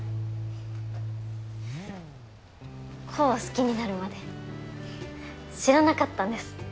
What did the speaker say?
煌を好きになるまで知らなかったんです